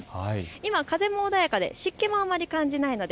今、風も穏やかで湿気もあまり感じないので